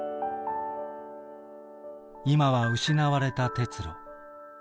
今は失われた鉄路。